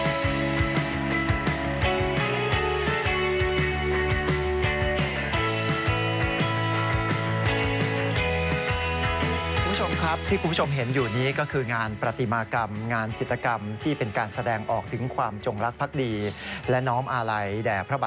คุณผู้ชมครับที่คุณผู้ชมเห็นอยู่นี้ก็คืองานประติมากรรมงานจิตกรรมที่เป็นการแสดงออกถึงความจงรักภักดีและน้อมอาลัยแด่พระบาท